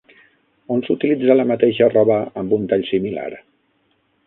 On s'utilitza la mateixa roba amb un tall similar?